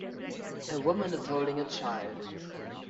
A woman is holding a child.